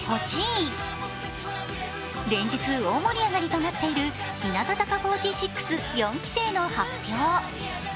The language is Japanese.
連日大盛り上がりとなっている日向坂４６四期生の発表。